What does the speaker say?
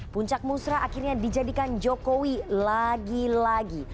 puncak musrah akhirnya dijadikan jokowi lagi lagi